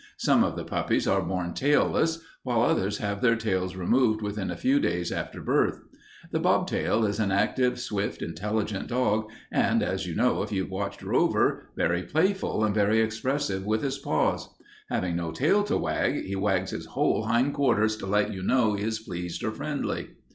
Some of the puppies are born tailless, while others have their tails removed within a few days after birth. The bob tail is an active, swift, intelligent dog and, as you know if you have watched Rover, very playful and very expressive with his paws. Having no tail to wag, he wags his whole hind quarters to let you know he is pleased or friendly.